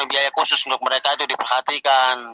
biaya khusus untuk mereka itu diperhatikan